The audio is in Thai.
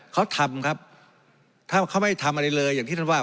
เขาทำครับถ้าเขาไม่ทำอะไรเลยอย่างที่ท่านว่า